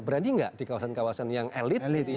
berani nggak di kawasan kawasan yang elit